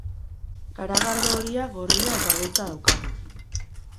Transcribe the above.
Garagardo horia, gorria eta beltza daukagu.